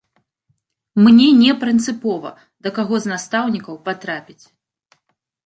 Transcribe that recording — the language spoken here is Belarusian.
Мне не прынцыпова, да каго з настаўнікаў патрапіць.